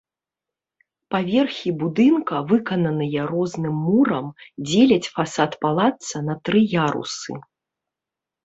Паверхі будынка, выкананыя розным мурам, дзеляць фасад палацца на тры ярусы.